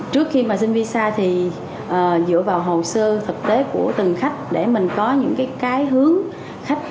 trước khi mà xin visa thì dựa vào hồn sơ thực tế của từng khách để mình có những cái hướng khách